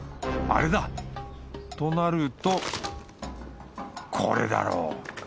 あれだ！となるとこれだろう！